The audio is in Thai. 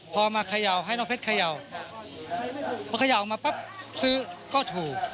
พอมาเขย่าให้น้องเพชรเขย่าพอเขย่าออกมาปั๊บซื้อก็ถูก